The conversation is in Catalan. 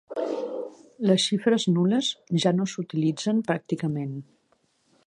Les xifres nul·les ja no s"utilitzen pràcticament.